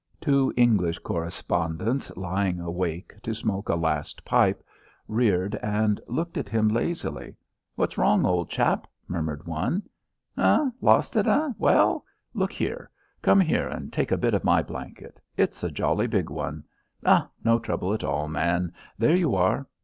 Two English correspondents, lying awake to smoke a last pipe, reared and looked at him lazily. "What's wrong, old chap?" murmured one. "Eh? Lost it, eh? Well, look here; come here and take a bit of my blanket. It's a jolly big one. Oh, no trouble at all, man. There you are.